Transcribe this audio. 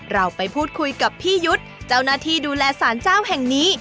เราไปพูดคุยกับพี่ยุทธ์เจ้าหน้าที่ดูแลสารเจ้าแห่งนี้